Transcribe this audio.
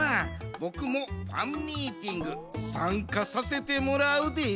ボクもファンミーティングさんかさせてもらうで。